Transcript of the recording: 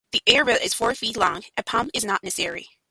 The air bed is four feet long. A pump is not necessary.